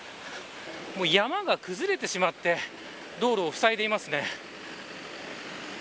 山が崩れてしまって道路をふさいでいますね。